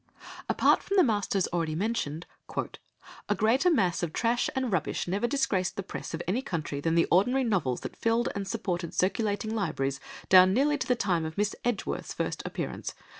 Apart from the masters already mentioned, "A greater mass of trash and rubbish never disgraced the press of any country than the ordinary novels that filled and supported circulating libraries down nearly to the time of Miss Edgeworth's first appearance.